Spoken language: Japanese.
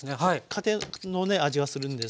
家庭のね味がするんですが。